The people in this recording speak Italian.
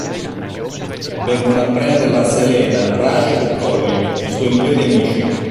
Vengono a prenderla Selena, Raj e Collin, i suoi migliori amici.